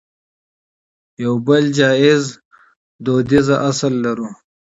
يو بل جايز فرهنګي اصل لرو